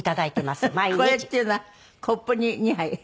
これっていうのはコップに２杯？